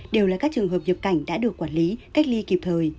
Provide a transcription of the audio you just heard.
đều là các trường hợp nhập cảnh đã được quản lý cách ly kịp thời